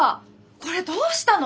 これどうしたの！？